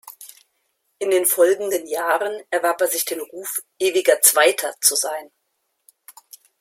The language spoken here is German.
In den folgenden Jahren erwarb er sich den Ruf, „ewiger Zweiter“ zu sein.